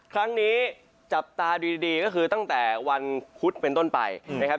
ครั้งนี้จับตาดีก็คือตั้งแต่วันพุธเป็นต้นไปนะครับ